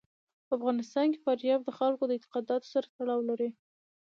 په افغانستان کې فاریاب د خلکو د اعتقاداتو سره تړاو لري.